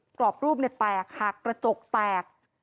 กรอบรูปแตกหักกระจกแตก